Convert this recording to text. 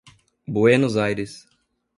Buenos Aires